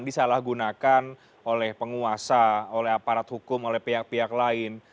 disalahgunakan oleh penguasa oleh aparat hukum oleh pihak pihak lain